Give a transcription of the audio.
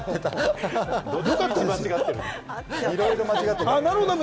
いろいろ間違ってた。